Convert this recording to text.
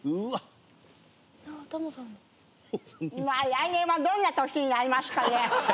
来年はどんな年になりますかね？